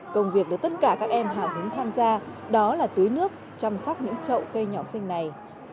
công việc được tất cả các em hào hứng tham gia đó là tưới nước chăm sóc những trậu cây nhỏ xanh này